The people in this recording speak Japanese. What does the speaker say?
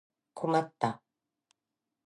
困った